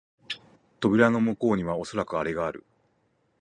扉の向こうにはおそらくアレがある